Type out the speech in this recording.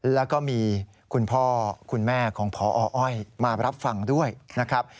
แล้วก็มีคุณพ่อคุณแม่ของพออ้อยมารับฟังด้วยนะครับ